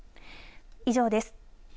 以上です。